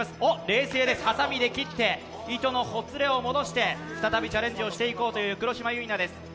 冷静です、はさみで切って糸のほつれを切って、再びチャレンジしていこうという黒島結菜です。